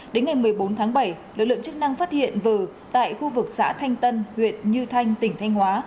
đến ngày một mươi bốn tháng bảy lực lượng chức năng phát hiện vừ tại khu vực xã thanh tân huyện như thanh tỉnh thanh hóa